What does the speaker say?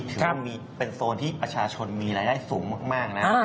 ถ้ามีเป็นโซนที่ประชาชนมีรายได้สูงมากนะ